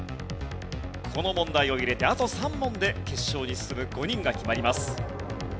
この問題を入れてあと３問で決勝に進む５人が決まります。